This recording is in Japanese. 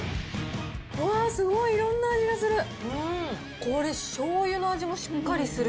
うわー、すごいいろんな味がする。